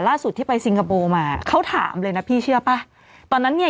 ล่าสุดที่ไปซิงคโปร์มาเขาถามเลยนะพี่เชื่อป่ะตอนนั้นเนี่ย